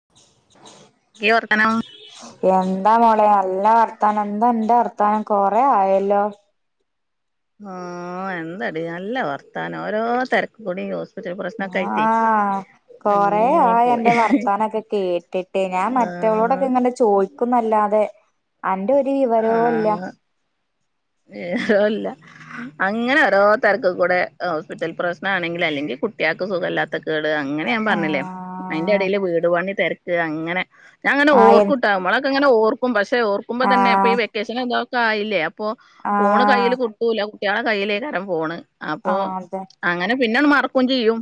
ആ ക്കെ വർത്താനം എന്താ മോളെ നല്ലാ വർത്താനം എന്താ അന്റെ വർത്താനം കൊറെ ആയല്ലോ ആഹ് എന്തടി നല്ല വർത്താനം ഓരോ തിരക്ക് കൂടി യ ആ കൊറെ അങ്ങനെ ആയി പോയി അൻ്റെ വർത്താനംക്കെ കേട്ടിട്ട് റ്റില്ലഞാൻ ആ മറ്റവളോടൊക്കെ ഇങ്ങെ നെചോയ്ക്കുന്നല്ലാതെ അന്റെ ഒരു വിവരവും ഇല്ല ഏ അതും അല്ല അങ്ങനെ ഓരോ തരക്കും കൂടെ ഹോസ്പിറ്റൽ പ്രശ്നം ആണെങ്കിൽ അല്ലെങ്കിൽ കുട്ടികൾക്ക് സുഖല്ലാത്ത ള് അങ്ങനെ ഞാൻ പറഞ്ഞില്ലേ അതിന്റെ ആഹ് ഇടയില് വീട്പണി തിരക്ക് അങ്ങനെ ഞാൻങ്ങനെ ആഹ് എ ഓർക്കുട്ടാ നമ്മളൊക്കെങ്ങന ഓർക്കും പക്ഷെ ഓർക്കുമ്പോ തന്നെ ഇപ്പ ഈ ആഹ് വെക്കേഷൻ എതൊക്കായില്ലേ അപ്പൊ ഫോണ് ആഹ് കയ്യില് കട്ടൂല കുട്ട്യാളെ കൈയിലേക്കാരം ഫോണ് അപ്പൊ ആഹ് അതെ അങ്ങനെ പിന്നെണ് മറക്കുകയും ചെയ്യും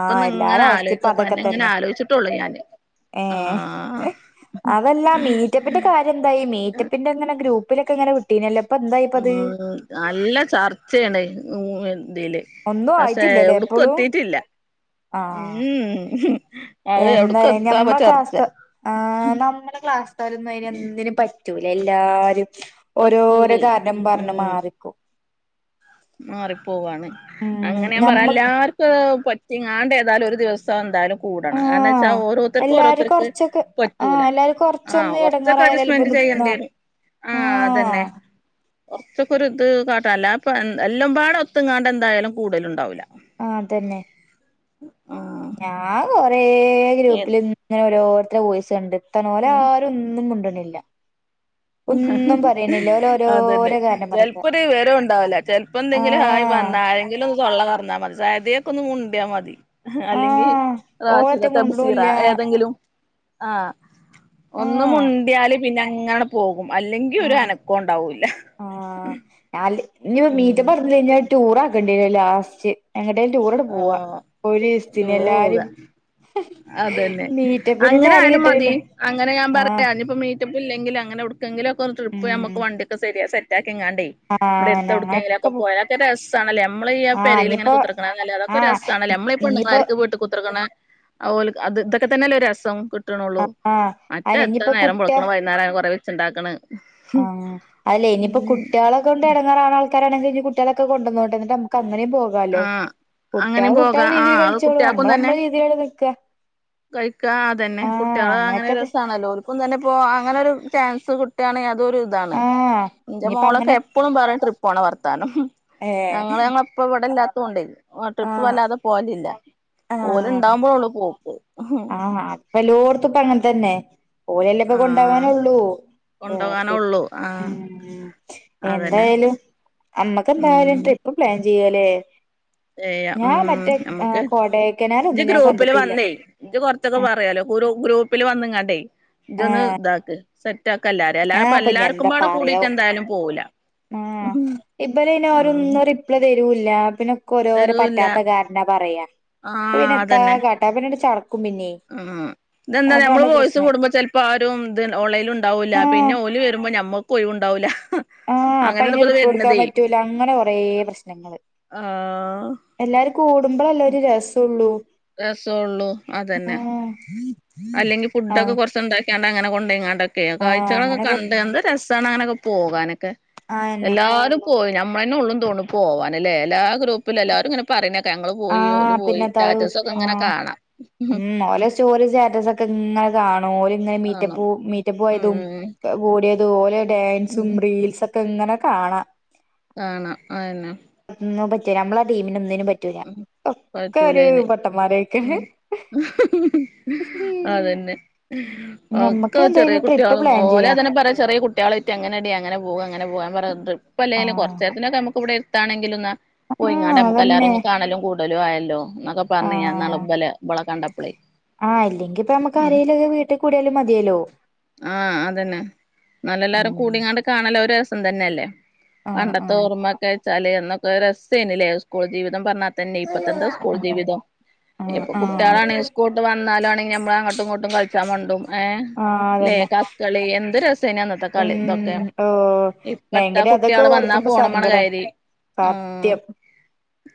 ഇപ്പൊ എല്ലാരെ ഇങ്ങനെ അവസ്ഥ ഇപ്പ ആലോചിക്കപ്പ അതൊക്കെ അന്നെ ഇങ്ങനെ തന്നെ ആലോചിച്ചിട്ടുള്ളൂ ഞാന് ആ ഏഹ് അതല്ല മീറ്റ പ്പിൻ്റെ കാര്യം എന്ത ഈ മീറ്റപ്പിൻ്റെ ങ്ങനെ ഗ്രൂപ്പിലൊക്കെങ്ങനെ വി ട്ടീനല്ലൊ ഇപ്പം എന്തായി ഉം എന്തായിപ്പത് നല്ല ചർച്ചയാണ് ഇതില് ഒന്നും പക്ഷേ ആയിട്ടില്ലല്ലേ എവിടക്കും എപ്പോളും എത്തിട്ടില്ല ഉം ഉം എന്താ ലെ ഞമ്മടെ ക്ലാസ്ത്തെ നമ്മെ ക്ലാസ് ത്തെ പോലെ അയ്ന് ഒന്നിനു പറ്റ പറ്റൂല്ലഎല്ലാരും ഓരോരോ പറ്റൂലേ കാരണം പറഞ്ഞ് ഉം മാറി നിക്കും മാറിപ്പോവാണ് ഉം അങ്ങനെ ഞാൻ പറയാ ഞമ്മക്ക് എല്ലാർക്കും പറ്റിങ്ങാണ്ട് ഏതായാലും ഒരു ദിവസം സം എന്തായാലും കൂടണം കാരണ വെച്ചാ ആഹ് ഓരോരുത്തർക്കും എല്ലാരും ഓരോരുത്തർക്ക് കൊറച്ചൊക്കെ പറ്റൂല ആഹ് എല്ലാരും ആഹ് കൊറച്ചൊന്ന് കൊറച്ചൊക്കെ അഡ്‌ജ എടങ്ങേറായാലല്ലേ സ്‌റ്റ്മെന്റ് ഇപ്പൊന്ന് ചെയ്യേണ്ടി ആഹ് വരും ആ അതന്നെ കുറച്ചൊക്കെ ഒരു ഇത് കാട്ടല്ല അപ്പൊ എല്ലാം പാട് ഒത്ത ഇങ്ങാണ്ട് എന്തായാലും കൂടല്ഉണ്ടാവില്ല ആഹ് അ തന്നെ ആഹ് ഞാ കൊറേ ഏ ഗ്രൂപ്പിൽ ഇങ്ങനെ ഓരോരുത്തര ഓയിസ് കണ്ട്ത്തണോല് ഉം ആരും ഒന്നും മിണ്ടണില്ല അതന്നെ കാരണം പറക്ക ചെലപ്പോ ഒരു വിവരോം ഉണ്ടാവില്ല ചെലപ്പോ എന്തെങ്കിലും ഹായി ആഹ് പറഞ്ഞാല് എങ്കില് ഒന്ന് തൊള്ള തുറന്നാൽ മതി സ യി ദിയയൊക്കെ ഒന്ന് മുണ്ടിയാൽ മതി അല്ലെങ്കി ആഹ് ഓളറ്റെ റാഷിദാത്ത ബുസീറ മുണ്ടണൂല്ല ഏതെങ്കിലും ആഹ്ഒന്നു ആഹ് മുണ്ടിയാല് പിന്നെ അങ്ങനെ പോകും അല്ലെങ്കി ഒരു ആഹ് അനക്കംണ്ടാവില്ല ആഹ് ഞാല് ഇനി മീറ്റപ്പ് പറഞ്ഞ കഴിഞ്ഞാ ടൂർ ആകക്കേണ്ടിവരും ലാസ്റ്റ് എങ്ങോട്ടെങ്കിലും ടൂറങ്ങോട്ട് പോവ ആഹ് ഒരു ദൂരെ ദിവസത്തിന്എല്ലാരും പോക അതന്നെ അങ്ങനെ ആരേം ആയാലും കിട്ടണില്ല മതി അങ്ങനെ ഞാൻ ആഹ് പറയാനിപ്പോ മീ റ്റപ്പ് ഇല്ലെങ്കി അങ്ങനെ എവിടെക്കെങ്കിലും ഒക്കെ ട്രിപ്പ് ഉം നമക്ക് വണ്ടിക്കെസെറ്റാക്കി ഇങ്ങാണ്ട് ഇവിടെ ആഹ് എടുത്തടുക്കെങ്കിലും ഞങ്ങളൊക്കെ ക്കെ പോ പോരാത്ത രസാണല്ലേ നമ്മ ഈ ആ ആഹ് പെരേൽ ഇങ്ങനെ ഇനിയിപ്പോ കുത്തിർ അല്ല അതൊക്കെ ഒരു ആഹ് രസമാണല്ലേനമ്മളഈ പെണ്ണുങ്ങള് ഇനിയിപ്പോ മാരിക്ക് വീട്ട് കുത്തിർക്കണ അത് ഇതൊക്കെ തന്നെഅല്ലെ രസം കിട്ടണള്ളൂ ആഹ് മറ്റേ അയിന് എത്ര ഇനിയിപ്പോ നേരം കുട്ട്യ വെളുക്കുണു വൈന്നേരം കൊറെ വെച്ച്ണ്ടാക്കണ്. ആഹ് അയല്ലേ ഇനിയിപ്പോ കുട്ടിളെക്കൊണ്ട് ഇടങ്ങാറാണ് ആൾ കല്യാണം കഴിഞ്ഞിട്ട്കുട്ടി കളൊക്കെ കൊണ്ടുവന്നോട്ടേ എന്നിട്ട് നമക്ക് അങ്ങനേം പോവാം വാലോ ആഹ് കുട്ടികൾ അങ്ങനെയും പോകാ കുട്ടികളുടെ രീതിൽ ആഹ് അത് കുട്ടികൾക്കും കളിച്ചോളുംനമ്മള് തന്നെ നമ്മളെ രീതിയിലിവിടെ നിൽക്ക കഴിക്കാ അതന്നെ കുട്ടികള് അങ്ങനെ അങ്ങനൊക്കെ രസമാണല്ലോ ക്കുംതന്നെ പോവാ അങ്ങനെ ഒരു ചാൻസ് കിട്ടുകയാണെങ്കിൽ അതൊരു [unintelligible] ആഹ് എന്റെ ഇനിയിപ്പ മോളൊക്കെ അങ്ങനെ എപ്പോഴും പറ യുംട്രിപ്പ് പോണ വർത്താനം ഏ ഞങ്ങളപ്പ ഇടല്ലാത്തൊണ്ട് ട്രിപ്പ് ആഹ് വല്ലാതെ പോകലില്ല ഓലെ ആഹ് ഉണ്ടാവുമ്പോഴള്ളൂ പോക്ക് എല്ലോടുത്തും ഇപ്പങ്ങതന്നെ ഓലല്ലേ ഇപ്പൊ കൊണ്ടോവാനുള്ളൂ. കൊണ്ടോവാനെ ഉള്ളൂ ആഹ്‌. ഉം എന്തായാലും മ്മക്ക് എന്തായാലും ഉം ട്രിപ്പ് പ്ലാൻ ചെയ്യല്ലേ. ചെയ്യാം ഞാ ഉം മറ്റേ നമ്മക്ക് കൊടെയ്ക്കനാലൊന്നും ഞാൻ കണ്ടിട്ടില്ല. ഇജ് കൊർച്ചൊക്കെ പറയാലോ ഗ്രൂ ‌ ഗ്രൂപ്പില് വന്നങ്ങാണ്ടേ ഇജോന്ന് ആഹ് താക്ക്. സെറ്റാക്കല്ലാര ആഹ് അല്ലാപ്പ ഇപ്പൊ എല്ലാർക്കുംപടെ കൂടിയിട്ട് എന്തായാലും പോകൂല. ഏഹ് ഇബലയന്ന ആരും റിപ് തരുല്ല പിന്നെക്ക് ഓരോരോ തരൂല്ല പറ്റാത്ത കാരണ പറയാ ആഹ് പിന്നത്ത അതന്നെ [unintelligible] ചടക്കും പിന്നെ. ഉം ഇതെന്താ അതാണ് നമ്മള് വോയിസ് പ്രശ്നം കൂടുമ്പോ ചെലപ്പോ ആരും ഇത് ഒൺലിയിൻ ഉണ്ടാവൂല്ല ആഹ് പിന്നെ ഓല് വരുമ്പോ ഞമ്മക്ക് ഒഴിവുണ്ടാവൂല്ല. ആഹ് അപ്പൊ അങ്ങനെയാണ് അയിന് ഇപ്പത് റിപ്പളേടുക്കാൻ വരുന്നതേ പറ്റൂല അങ്ങനെ കൊറെ പ്രശ്നങ്ങള് ആഹ് എല്ലാരും കൂടുമ്പളല്ലേ ഒരു രസള്ളൂ. രസള്ളു അതന്നെ അല്ലെങ്കി ഫുഡക്കെ ആഹ് കൊറച്ചണ്ടാക്കി കാണ്ട് അങ്ങനെ കൊണ്ടയ്കാണ്ടൊക്കെയെ ആഹ് കാഴ്ചകളൊക്കെ അങ്ങനൊക്കെ കണ്ട് ണ്ട് എന്ത് രസാണ് അങ്ങനൊക്കെ പോകാനൊക്കെ ആയെന്നെ എല്ലാരും പോയി നമ്മളന്നെ ഉള്ളു തോണു പോവാനല്ലേ, എല്ലാ ഗ്രൂപ്പിലും എല്ലാരുംങ്ങനെ പറനേക ഞങ്ങള് പോയി ഓല് ആഹ് പോയി പിന്നെത്താവു സ്റ്റാറ്റസൊക്കെ ഇങ്ങനെ ആഹ് കാണാം ഉം ഓലസ് സ്റ്റോറി സ്റ്റാറ്റസക്കെ ഇങ്ങനെ കണും ഓല്ങ്ങനെ കാണും മീറ്റപ്പ മീറ്റപ്പോയതും ഉം കൂടിയതുപോലെ ഡാൻസും ഉം റീൽസൊക്കെ ഇങ്ങനെ കാണാം കാണാം അതന്നെ. ഒന്നു പറ്റൂല നമ്മളെ ടീമിനെ ഒന്നിനും പറ്റൂലാ പറ്റൂലനെ ഉം അതന്നെ. ഒക്കെ ഞമ്മക്ക് ചെറിയ എന്തായാലും ട്രിപ്പ് കുട്ടിളും പ്ലാൻ ഓലെ ചെയ്യാ തന്നെ പറയാം ചെറിയ കുട്ടികളറ്റങ്ങനെടി അങ്ങനെ പോക അങ്ങനെ പോകാൻ പറ ഇപ്പല്ലെങ്കില ആഹ് കുറച്ച ഇതിനൊക്കെ നമുക്ക് ഇവിടെ എരുത്താണെങ്കിൽ ഒന്ന് ആഹ് പോയിങ്ങാണ്ട് നുക്ക് അതന്നെ എല്ലാരെന്ന് കാണലും കൂടുലും ആയല്ലോ. എന്നൊക്കെ പറഞ്ഞാ ഞാൻ ആഹ് ഇന്നാൾ ബലെ കണ്ടപ്പളെ ആഹ് ഇല്ലെങ്കിപ്പൊ നമക്ക് ആരേലുംക്കെ വീട്ടി കൂടിയാലും മതിയല്ലോ ആഹ് അതന്നെ എന്നാലും എല്ലാരും ആഹ് കൂടിങ്ങാണ്ട് കാണല് ഒരു രസം തന്നെയല്ലേ. പണ്ടത്തെ ആഹ് ഓർമ്മൊക്കെച്ചാല് അന്നൊക്കെ രസയിനില്ലേ സ്കൂൾ ജീവിതം പറഞ്ഞാ തന്നെ ഇപ്പത്തെന്താ സ്കൂൾ ആഹ് ജീവിതം ആഹ് ഇപ്പം കുട്ടികളാണെ ആഹ് ക്കോട്ട് വന്നാലണെങ്കിൽ നമ്മൾ അങ്ങോട്ടും ഇങ്ങോട്ടും കളിച്ചാമണ്ടും ഏ ആഹ് ല്ലേ അതന്നെ ക ക് ക്കളി എന്ത് രസേനി അന്നത്തെ കളി ഇതൊക്കെ ഉം ഓ ഇപ്പത്താ ഭയങ്കര അതൊക്കെ കുട്ടികള് വന്നാ ഓർക്കുമ്പോ ഫോണുമ്മാണ്ട് സങ്കടണ് കയറി സത്യം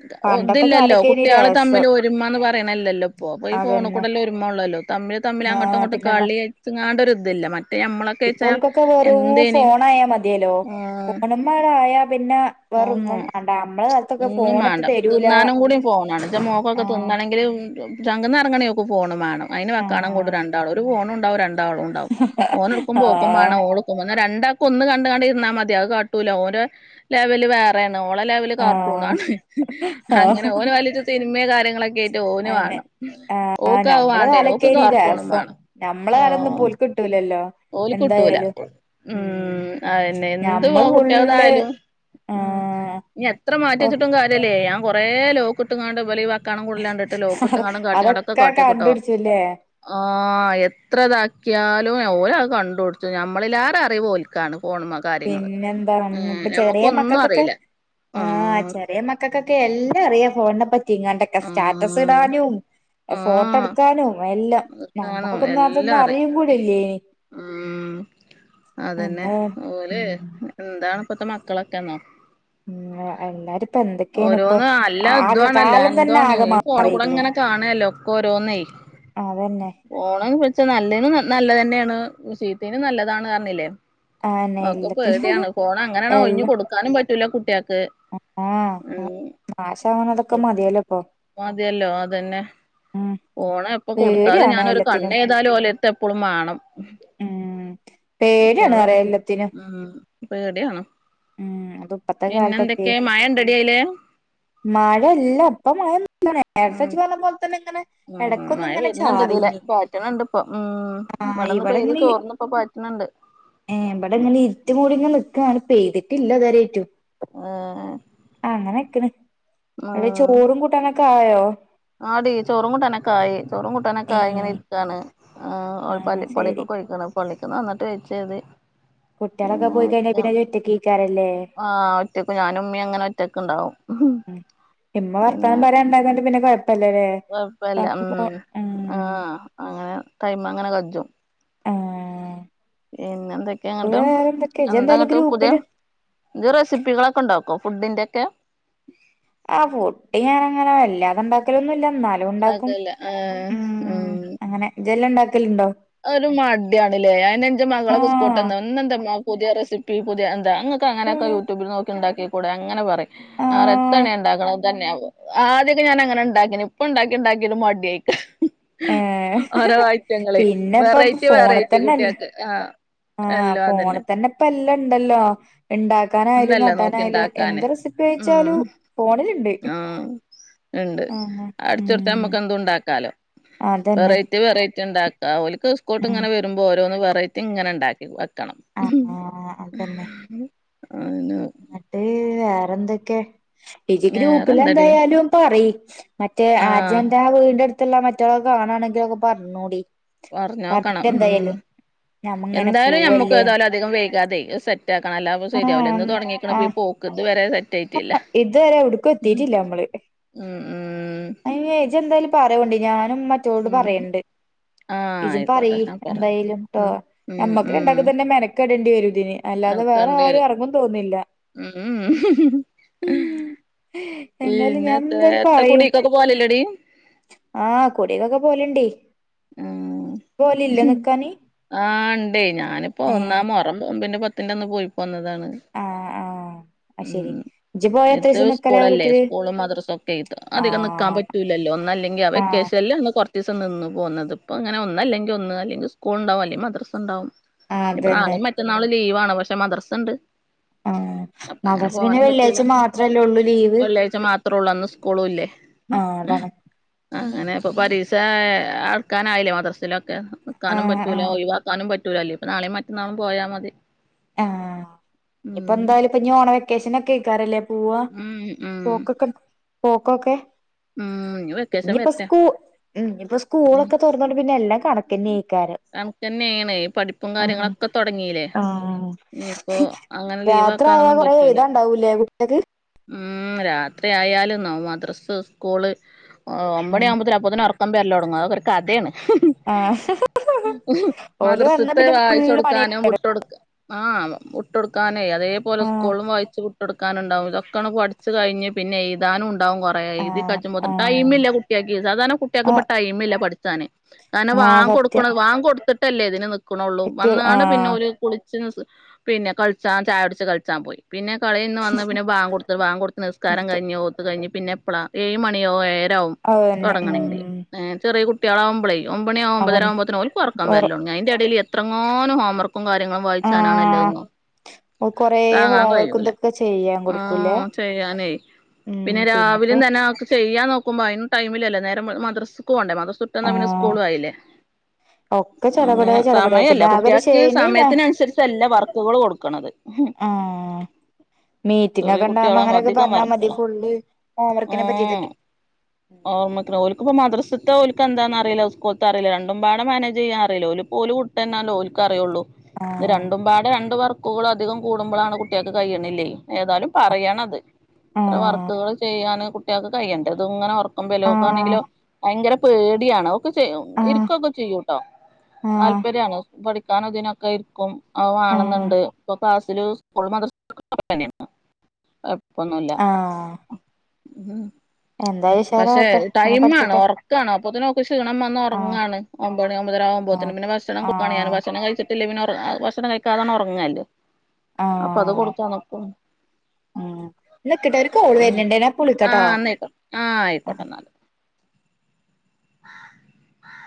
ത് ഒ പണ്ടത്തെ ഇതില്ലല്ലോ കാലൊക്കേനി കുട്ടിള് തമ്മിൽ രസം ഒരുമാന്ന് പറയണല്ലല്ലോ ഇപ്പോ ഇപ്പൊ ഈ അതന്നെ ഫോണിക്കുടല്ലെ ഒരുമ ഉള്ളല്ലോ. തമ്മിൽ തമ്മിൽ അങ്ങോട്ടും ആഹ് ഇങ്ങോട്ടും പിന്നെന്താ കളിചെങ്ങാണ്ട ഒരിതില്ല മറ്റേ നമ്മള ഇപ്പോൾക്കൊക്കെ വെറും ഫോണായ മതിയല്ലോ ഫോണമാഴ ആയ പിന്നെ ഉം വേറൊന്നും ഉം വേണ്ട നമ്മളെ കാലത്തൊക്കെ ഒന്നും ഫോണ്ട്ട് മാണ്ട തരൂല തിന്നാനും കൂടി ഫോൺ മണം ഇന്റെ മോക്കൊക്കെ ആഹ് തിന്നണങ്കിൽ ചങ്ക്ന്ന ഇറങ്ങണിക് ഓക്ക് ഫോണ് മാണം അന് വെക്കാണംങ്കൂടും ആഹ് രണ്ടാളും ഒരു ഫോണണ്ടാവും രണ്ടാളും ഉണ്ട് ഓന് ഇടുക്കുമ്പോ ഓൾക്കും ആഹ് വാണം ഓള്‌ ഓന്നാ രണ്ടാകൊന്ന് കണ്ട്ങ്ങാണ്ട് ണ്ടിര്ന്നാ മതി. അഹ് കാട്ടൂല ഓന്റെ ലെവല് വേറെണ് ഓളെ ലെവല് ല് ആഹ് കാർട്ടുണാണ്.. ഹ് അങ്ങനെ ഓല വലിച് സിനിമെ കാര്യങ്ളൊക്കെ അയന്നെ, ആഹ്‌ ഞമ്മള വേണ്ടേനു ഓക്ക് കാലക്കെനി കാർട്ടൂണും രാസം വേണം ഞമ്മളെ കാലൊന്നും പ്പം ഓല്ക് കിട്ടൂലല്ലോ. ഓലിക്കൊട്ടൂല എന്തായാലും ഉം അയെന്നെ എന്ത് പോ ഞമ്മള് ഫുള്ള് കുട്ടിൾതായാലും ഉം ആഹ് ഇനി എത്ര ഓഹ് മാറ്റിച്ചിട്ടും കാര്യല്ലേ ഞാൻ കൊറേ ലോക്ക് ഇട്ടുകാണ്ട ഇവലേ കാണാൻ കൊള്ളില്ലാണ്ടിട്ട് ലോകിട്ടകണ്ട് കാട്ടങ്ങാടൊക്കെ അതൊക്കെ കാട്ടിയകെട്ടോ കണ്ടുപിടിച്ചുല്ലേ ആഹ് എത്രതാക്കിയാലും ഓല് അത് കൊണ്ടോടുത്ത് നമ്മളി ലേറെ അറിവോൽക്കാണ് ഫോൺമക്ക പിന്നെന്താ ന്പ്പൊ ചെറിയെ മക്കക്കൊക്കെ, അറിയില്ല ആ ആഹ് ചെറിയെ മക് ക ക ക്കെല്ലാം അറിയാ ഫോണിനെ പറ്റി ങ്ങാണ്ടോക്കെ സ്റ്റാറ്റസ് ആഹ് ടാനും ആഹ് ഫോട്ടട്ക്‌ ക്കാനും എല്ലാം അതൊക്കാണ് നമ്മോക്കൊക്കന്ന് എല്ലാം അതൊന്നു അറിയും കൂടില്ലേനി അതെന്നെ എന്താ ഓല് ഉം ന്താണ് പ്പത്തെ മക്കളൊക്കെന്നോ മ് എല്ലാരും പ്പന്തൊക്കെണ് പ്പൊ ഓരോന്ന് അ ആകെ കാലം തന്നെ ആകമാ ഫോണുകൂടെങ്ങനെ കാണ്ല്ലോ ക്കോരോന്നെയ് അതെന്നെ ഓളേണ് ബിൾച്ചാ. നല്ലേന് ന്ന നല്ല തെന്നേണ് ചീത്തേനും നല്ലതാണ് അർഞ്ഞില്ലേ ആന്നെ ഒക്കെ എല്ലാത്തിനും പേട്യണ് ഫോണങ്ങണ് ഒഴിഞ്ഞ് എല്ലാം കൊട്ക്കാനും പറ്റൂല കുട്ടിയെക്ക് ആഹ് നാശവനതൊക്കെ മതിയല്ലോ പ്പൊ മതിയല്ലൊ അതന്നെ ഫോണെപ്പൊ കൊട്ത്താലു പേടിയാണ് ഞാനൊരു എല്ലാത്തിനും കണ്ണെതായാലും ഓലെര്ത്ത് എപ്പളും വാണം. ഉം പേടിയാണ് കുട്യള് പറയാ എല്ലാത്തിനും മ്.. പേട്യണ് ഉം. അതൊപ് പിന്നെന്തൊക്കെ മയണ്ടടി അയിലെ? മഴല്ല പ്പ മഴയൊന്നുലനെ നേരത്തെച് പറ്ഞ്ഞപോൽതന്നെ ഇങ്ങനെ മ്.. എടക്കൊന്ന് ഇങ്ങനെ മയവെര്ന്ണ്ട് ഇതിലെ ചാറീനി പാറ്റ്ണ്ണ്ണ്ട് പ്പോ മ്.. ആഹ് വ്ടെന്ന് പൈത് ചോറ്ന്പ്പോ പാറ്റ്ണ്ണ്ട് ഏ.. ബ്ടെ ങ്ങനെ ഇര്റ്റ് മൂടി ങ്ങനെ നിക്കാണ് പെയ്ത്ട്ടില്ല ഇതരൈറ്റും. ആ.. ഹഹ് അങ്ങനെക്ണ് അടെ ചോറും കൂട്ടാനൊകായോ? ആടി.. ചോറും കൂട്ടാനൊകായി ചോറും കൂട്ടനൊകായി ഏഹ് ങ്ങനെര്ക്കാണ് ആ ഓല് പല്ലി ആഹ് ശരി പള്ളികക്കൊയികാണ് പള്ളിക്ക് നന്ന്ട്ട് [unintelligible] പിന്നെ കുട്ടികളൊക്കെ പോയി കഴിഞ്ഞാ വ്ക്ക പിന്നെ ഇജ്ജ് ഒറ്റക്കേക്കാരല്ലേ ആ.. ഒറ്റക്ക് ഞാനുമ്മി ങ്ങനെ ഒറ്റക്ണ്ടാവും മ് ഹ്.. ഉം ഇമ്മ വർത്താനം പറയണ്ടായതൊണ്ട് പിന്നെ കൊഴപ്പല്ലല്ലേ കൊയപ്പല്ല മ്.. സംഭവം ആ.. ഉം ഹ് അങ്ങനെ ടൈമ ങ്ങനെ കജും. ആഹ് അത് പിന്നെന്തൊക്കെങ്ങട്ട് വേറെന്തൊക്കെ ഇജെന്തായാലും എന്താങ്ങട്ട് പുതിയ് ഗ്രൂപ്പില് ജ് റെസിപ്പികളെക്കോ ഉണ്ടാക്കോ ഫുഡിന്റെ ക്കെ? ആ ഫുഡ്ഞാനങ്ങനെ വല്ലാതെ ണ്ടാക്കലൊന്നുല്ല ന്നാല് ലോംണ്ടാക്കും. ഉണ്ടാക്കല്ല ആഹ് മ് അങ്ങനെ ഇജ്ല്ലാം ണ്ടാക്കല്ണ്ടോ? ഒര് മടിയണ്ല്ലേ അയെന്നെ ഇൻ്റെ മകളെകെ ആഹ് ഇസ്ക്കോള്ട്ടന്ന ഇന്നന്താമ്മ പുതിയ റെസിപ് പി പുതെയ് ൻന്താ ഇങ്ങക്കെ ങ്ങനെക്കെ ഉം യൂട്യൂബില് നോക്കി ഇ ണ്ടാക്കികൂടെ അങ്ങനെ പറിം അറെ ആഹ് എത്തണെണ്ടാക്ണത് ഇതെന്നെവും ആദ്യൊക്കെ ഞാനങ്ങനെ ണ്ടാകിന് ഇപ്പ ണ്ടാക്കി ണ്ടാകിട് മടിയ്ക്ക് ഹ്. ഏഹ് ഓരോ ഐറ്റങ്ങളെയ് പിന്നെ ഇപ്പൊ റൈറ്റി ഫോണ് വെറൈറ്റി തന്നെല്ലേ കുട്ട്യാക്ക്ആ എല്ലോ അതന്നെ. അന്നെ പ്പല്ലാം ഇണ്ടല്ലോ ഇ ണ്ടാക്കാനായാലും എന്തല്ല നോക്കി കാട്ടാനായാലും എന്ത് ഉണ്ടാക്കാന് റെസിപ്പിയിച്ചാലു പോണില്ണ്ട്. ആ.. ഇണ്ട് ഉം അടിചോട്ത്ത മ്മകെന്തു ണ്ടാക്കാലോ അതന്നെ വെറൈറ്റി വെറൈറ്റി ണ്ടാക്ക ഓൽക്‌ സ്കൂട്ട് ഉം ങ്ങനെ വെര്മ്പോ ഓരോന്ന് വെറൈ തിങ്ങനെ ഇണ്ടാക്കി വെക്കണം മ് ആഹ് ഹ്.. ഹ്.. അ.. ന് ന്ന്ട്ട് വേറെന്ത്‌ക്കെ? ഇജി വേറെന്തടി ഗ്രൂപ്പിലെന്തായാലും പറയ് മറ്റേ ആ ആഹ് ജന്റെ വീട്ന്റെ ട് ഇതല്ല മറ്റളക്ക് ആണാണങ്കിലൊക്കെ പറഞ്ഞോടി പർഞ്ഞോക്കണം ഉം.. നമ്മങ്ങനെ എന്തായാലും ഞമ്മകെ പോവല്ലേ താലും അ തി അതികം വൈകാതെ അയ്സെറ്റാ ക്കണം അല്ലപയ് സെര്യവൂല്ല എന്ന് ആഹ് തൊടങ്ങിക്‌ണ് ഈ പോക്ക് ഇത് വരെ സെറ്റ് ആയിട്ടില്ല ആ ഇതൊരെ എവ്ടുക്കു എത്തിട്ടില്ല മ്മള് ഉം ഉം അയിന് ഇജെന്തേലും പറോയോണ്ടി ഞാനും മറ്റോൾട് ഉം പറേണ്ട് ആഹ് ഇജും ആയിക്കോട്ടെ പറെയി ഞാൻ പറ ന്തായെലും ട്ടോ ഉം ഉം ഞമ്മക്ക് ഉം രണ്ടാകും തന്നെ മെനകെടേണ്ടി വരും ഇത് ന് അല്ലാതെ വേറാരും എറങ്ങും തോന്ന്ല്ല ഉമ് എന്താലും ഞാൻ എന്തായാലും പറയും കുടീക്കൊക്കെ പോവലില്ലടി ആഹ് കുടിക്കൊക്കെ പോലു ണ്ട് ഉ ആ ഉണ്ടേ ഞാനിപ്പോ ഒന്നാ ഏഹ് മൊറ നോമ്പിന്റെ പത്ത് പിന്ന ഒന്ന് പോയി പോന്നതാണ് അയ് ശരി ഇജ്ജ് പോയ ഇട്ട് എത്രീസം നിക്കലാ സ്കൂളല്ലേ വീട്ടില് സ്കൂളും മദ്രസ ഒക്കെ ഇട്ട് അധികം നക്കാൻ ആഹ് പറ്റൂല്ലല്ലോ ഒന്നല്ലെങ്കിൽ അവ ആഹ് വെക്കേഷൻ ൽ ലിന്ന് കൊറ നിന്ന് പോകുന്നത് ഇപ്പോ അങ്ങനെ ഒന്ന അല്ലെങ്കിൽ ഒന്ന് അല്ലെങ്കിൽ സ്കൂൾ ഉണ്ടാവും അല്ലെങ്കിൽ മദ്രസ ഉണ്ടാവും ആഹ് ഇപ്പൊ അതന്നെ നാളെയും മറ്റന്നാള് ലീവാണ്. പക്ഷെ മദ്രസുണ്ട്. ആഹ് മദ ർസ് പിന്നെ പറ്റൂല വെള്ളിയാഴ്ച മാത്രല്ലേള്ളു ലീവ് വെള്ളിയാഴ്ച മാത്രേ ഉള്ളൂ അന്ന് സ്കൂളും ഇല്ലേ ആഹ് അതാണ് അങ്ങനെ ഇപ്പൊ പരീസ ആക്കാനായില്ലേ മദ്രസിലൊക്കെ നക്കാനും ആഹ് പറ്റൂല ആഹ് ഒഴിവാക്കാനും പറ്റും റ്റൂല്ലേ പ്പ നാളെയും മറ്റന്നാളും പോയാൽ മതി ആഹ് ഇപ്പൊ ഉം എന്തായാലും ഇപ്പൊ ഇ ഓണ വെക്കേഷൻ ഒക്കെ കേക്കാറല്ലേ പോവാ ഉം ഉം പോക്കൊക്കെ പോക്കൊക്കെ ഉം ഇനി വെക്കേഷൻ ഇനിയിപ്പോ വരട്ടെ സ്കൂ ഇനിയിപ്പോ ഉം സ്കൂളൊക്കെ തുറന്നോണ്ട് പിന്നെ എല്ലാം കണക്കന്ക്കാരം കണക്കന്നെയാണ് ഈ പഠിപ്പും ആഹ് കാര്യങ്ങളൊക്കെ തൊടങ്ങീല്ലേ ആഹ് ഇനിയിപ്പോ അങ്ങനെ രാത്രി ആയാ ലീവാക്കാനൊന്നും കൊറെ എയുതാണ്ടാവും ല്ല വിട്ടത് ഉമ് രാത്രി ആയാലും ന മദ്രസ്സ് സ്കൂള് ഒമ്പണിയ ആവുമ്പത്തേും അപ്പത്തിനും ഒർ പത്തം പേരില്ല തുടങ്ങും അതൊ ഒരു കഥയാണ് ആഹ് ഓല് വന്നാ മദ്രസത്തെ പിന്നെ വായിച്ച ഫുള്ള് പണി കൊടുക്കാനോ വുട്ടടുക്ക ആ വിട്ടൊടുക്കാനേ അതേപോലെ ആഹ് സ്കൂളിലും വായിച്ച് വുട്ട് എടുക്കാനുണ്ടാവും ഇതൊക്കെയാണ് പഠിച്ചു കഴിഞ്ഞ പിന്നെ എഴുതാനും ഉണ്ടാവും കൊറേ എഴുതി ആഹ് കഴിബോതിനും ആഹ് ടൈമില്ല കുട്ടി യാൾക്ക് സാധാ രണ ആ കുട്ടിയൾക്ക് ഇപ്പ ടൈം ഇല്ല പഠിച്ചാന് കാരണം ആഹ് സത്യം വാകൊടുക്ക വാ കൊടുത്തിട്ടല്ലേ ഇതിന് ക്ണോള്ളു ഏറ്റവും വന്നാണ്ട് പിന്നെ ആഹ് ഓല് കുളിച്ചു നി പിന്നെ കളിച്ചാ ചായ കുടിച്ച് കളിച്ചാൻ പോയി പിന്നെ കളിന്ന് വന്ന് പിന്നെ വാ വാങ്കു കൊടുത്ത് നിസ്കാരം കഴിഞ്ഞു. ഓത്ത കഴിഞ്ഞ് പിന്നെ എപ്പഴാ ഏഴ മണിയാവോ ഏരാവവും അത് തന്നെ ഉം തുടങ്ങണെങ്ക നേര് ചെറിയ കുട്ടികളകുമ്പളേ ഒമ്പണി ആഹ് ഒമ്പതരാ അതന്നെ ആകുമമ്പത്തേക്ക് ഓല്ക് ഓർകം ഒറ വരലോടങ്ങും അയ്‌ന്റെ ഇടേൽ എത്രങ്ങോനും ഹോം വർക്കും കാര്യങ്ങളും ആഹ് വായിച്ചാനാണ്ണല്ലോന്നോ കൊറേ താങ്ങാൻ ഹോംവർക്ക് കഴിയൂല. ഇതൊക്കെ ചെയ്യാൻ ആ കൊടുക്കൂലേ ചെയ്യാനേ ഉം പിന്നെ പിന്നെപ്പോ രാവിലും തന്നെ അവക്ക് ചെയ്യാൻ നോക്കുമ്പോ അയ്ന് ടൈമിലല്ല നേരെ മദ്രസ്ക്ക് പോണ്ടേ മദ്ര ട്ട ന്നാ പിന്നെ ആഹ് സ്കൂള ആയില്ലേ ഒക്കെ ചെടപടേ അങ്ങനെ ചെടപടേ സമയല്ല പിന്നെ ആകെ ഒരു കുട്ടിൾക്ക് ശനി ഞാ സമയത്തിനനുസരിച്ചല്ല വർക്കുകൾ കൊടുക്കണത് ഉമ് മീറ്റിംഗ് ചെറിയ ഒക്കെ ഉണ്ടാകോമ്പം കുട്ട്യാളാവുമ്പോ അങ്ങനെയൊക്കെ അധികം പറഞ്ഞാ മതി വർക്കുകളാ ഫുള്ള് ഹോംവർക്കിനെ പറ്റി [inaudible] ഓർമ്മ ഓലക്കിപ്പോ മദ്രസത്തെല എന്താന്ന അറിയില്ല. സ്കൂളത്തെ അറിയില്ല. രണ്ട പാട മാനേജ് അറിയില്ല. ഒലുപോലും ന്ന ഓല്ക്ക് അറിയുള്ളൂ ഇത് ആഹ് രണ്ടും പാടെ രണ്ട് വർക്കുകളും അധികം കൂടുമ്പോളാണ് കുട്ടിൾക്ക് കയ്യണില്ലേ ഏതായാലും പറയണത് ഇത്ര ആഹ് വർക്കുകൾ ചെയ്യാന് കുട്ടിൾക്ക് കയ്യണ്ട ഇത് ഇങ്ങനെ വർ ആഹ് ഒമ്പലോക്കാണെങ്കിലോ ഭയങ്കര പേടിയാണോ ക്കെ ചെയ്യും ആഹ് ഇരിക്കൊക്കെ ചെയ്യൂട്ടോ, ആഹ് താല്പര്യാണ് പഠിക്കാനും തിനൊക്കെ ഇരിക്കും. ആഹ് വാണന്നുണ്ട് പ്പം എപ്പോഴും സ്കൂൾ മദ്രസതന്നെയാണ് ഇപ്പൊന്നുംല്ല ആഹ് ഉ എന്തായാലും പക്ഷെ ഉഷാറാവട്ടെ നല്ലോം ടൈം ആ പഠിച്ചട്ടെ ഉറക്കാണ് അപ്പത്തിനക്കെ ക്ഷീണം വന്ന് ആഹ് ഉറങ്ങാണ്. ഒമ്പണ ഒമ്പതര ആ ആഹ് ഒമ്പത്തിനന് പിന്നെ ഭക്ഷണം കാണിയാൻ ആഹ് ഭക്ഷണം കഴിച്ചിട്ടില്ലേ പിന്നെ ഭക്ഷണം കഴിക്കാതാണ് ഉറങ്ങാലൊ അപ്പൊ അത് കൊടുക്കാ നക്കും ആഹ് നിക്കിട്ട ഒരു കോള് ഉം വരുന്നണ്ടേ നാ പ വിളിക്കട്ടോ ആഹ് എന്നായിക്കോട്ടെ ആഹ് ആയിക്കോട്ടെന്നാല്. [inaudible]